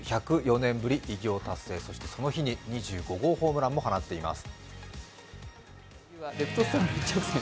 １０４年ぶり偉業達成、その日に２５号ホームランも放っています。